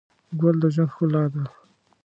ګل د ژوند ښکلا ده.